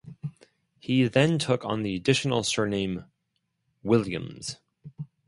He then took on the additional surname Williams.